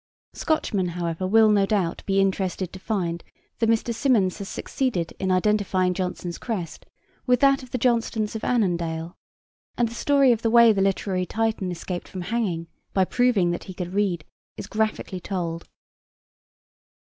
Scotchmen, however, will, no doubt, be interested to find that Mr. Symonds has succeeded in identifying Jonson's crest with that of the Johnstones of Annandale, and the story of the way the literary Titan escaped from hanging, by proving that he could read, is graphically told.